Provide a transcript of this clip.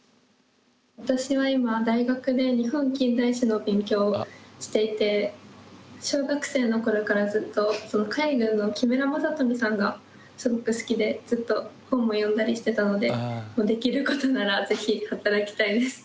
私は今大学で日本近代史の勉強をしていて小学生の頃からずっと海軍の木村昌福さんがすごく好きでずっと本も読んだりしてたのでできることならぜひ働きたいです。